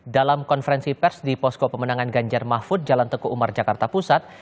dalam konferensi pers di posko pemenangan ganjar mahfud jalan teguh umar jakarta pusat